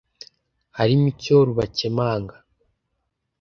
harimo icyo rubakemanga